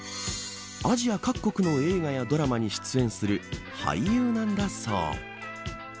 アジア各国の映画やドラマに出演する俳優なんだそう。